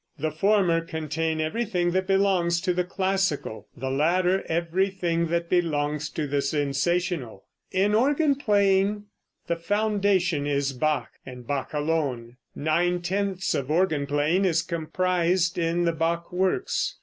The former contain everything that belongs to the classical, the latter everything that belongs to the sensational. In organ playing the foundation is Bach, and Bach alone. Nine tenths of organ playing is comprised in the Bach works.